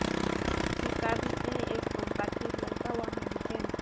Su carne es compacta y blanca o amarillenta.